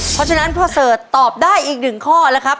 เพราะฉะนั้นเพื่อ๑๓๑เอะก็ตอบได้อีกหนึ่งข้อแล้วครับ